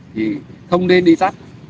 thì không nên đi tắt